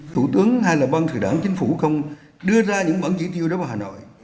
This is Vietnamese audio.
thủ tướng hay là ban cán sự đảng chính phủ không đưa ra những mẫu chỉ tiêu đó vào hà nội